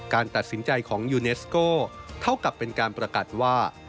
การตัดสินใจของยูเนสโก้เท่ากับเป็นการประกาศว่า